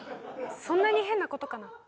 そんなに変なことかな？